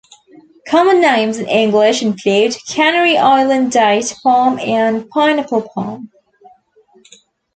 Common names in English include Canary Island date palm and pineapple palm.